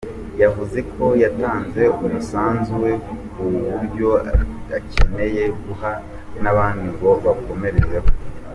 Yavuze ko yatanze umusanzu we ku buryo akeneye guha n’abandi ngo bakomerezeho.